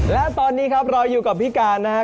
และตอนนี้ครับรออยู่กับพี่การนะครับ